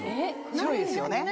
白いですよね。